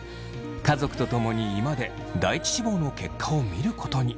家族と共に居間で第１志望の結果を見ることに。